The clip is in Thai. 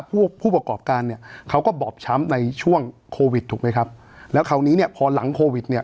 ผู้ผู้ประกอบการเนี่ยเขาก็บอบช้ำในช่วงโควิดถูกไหมครับแล้วคราวนี้เนี่ยพอหลังโควิดเนี่ย